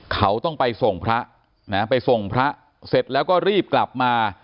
เขาต้องไปส่งพระนะไปส่งพระเสร็จแล้วก็รีบกลับมา